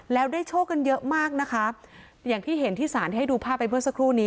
แล้วได้โชคกันเยอะมากนะคะอย่างที่เห็นที่สารให้ดูภาพไปเมื่อสักครู่นี้